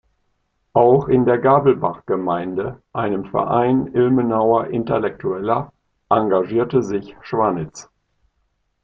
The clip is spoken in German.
Auch in der Gabelbach-Gemeinde, einem Verein Ilmenauer Intellektueller, engagierte sich Schwanitz.